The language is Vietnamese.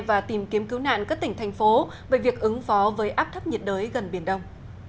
và tìm kiếm cứu nạn các tỉnh thành phố về việc ứng phó với áp thấp nhiệt đới gần biển đông